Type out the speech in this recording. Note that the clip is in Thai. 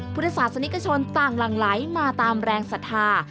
พุทธศาสนิกชนต่างหลั่งไหลมาตามแรงศรัทธา